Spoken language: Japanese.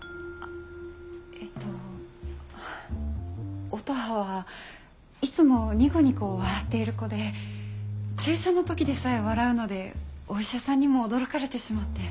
えっと乙葉はいつもニコニコ笑っている子で注射の時でさえ笑うのでお医者さんにも驚かれてしまって。